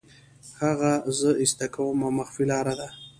هغه زه ایسته کوم او مخفي لاره ده